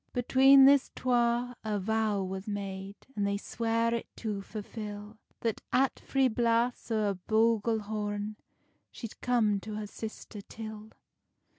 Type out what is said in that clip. Between this twa a vow was made, An they sware it to fulfil; That at three blasts o a buglehorn, She'd come her sister till.